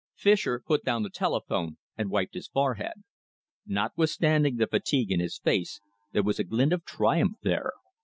Fischer put down the telephone and wiped his forehead. Notwithstanding the fatigue in his face, there was a glint of triumph there.